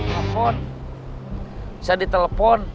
telepon saya di telepon